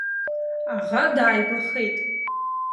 Аӷа дааигәахеит.